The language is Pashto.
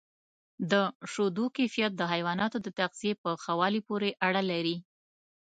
د شیدو کیفیت د حیواناتو د تغذیې په ښه والي پورې اړه لري.